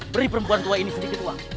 beri perempuan tua ini sedikit uang